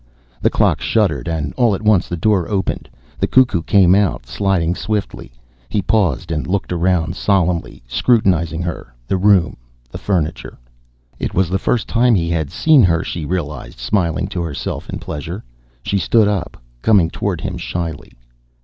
The clock shuddered and all at once the door opened. The cuckoo came out, sliding swiftly. He paused and looked around solemnly, scrutinizing her, the room, the furniture. It was the first time he had seen her, she realized, smiling to herself in pleasure. She stood up, coming toward him shyly.